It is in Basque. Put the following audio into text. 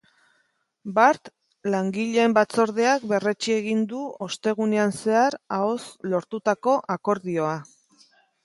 Bart langileen batzordeak berretsi egin du ostegunean zehar ahoz lortutako akordioa.